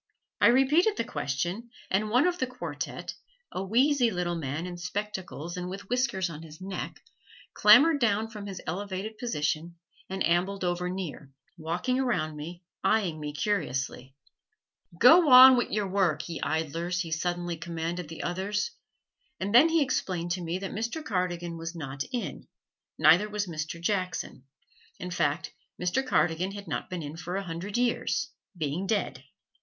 I repeated the question and one of the quartette, a wheezy little old man in spectacles and with whiskers on his neck, clambered down from his elevated position and ambled over near, walking around me, eying me curiously. "Go wan wi' yer wurruk, ye idlers!" he suddenly commanded the others. And then he explained to me that Mr. Cardigan was not in, neither was Mr. Jackson. In fact, Mr. Cardigan had not been in for a hundred years being dead.